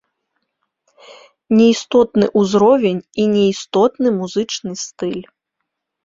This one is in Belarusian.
Не істотны ўзровень і не істотны музычны стыль.